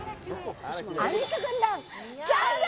アンミカ軍団参上！